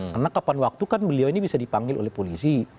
karena kapan waktu kan beliau ini bisa dipanggil oleh polisi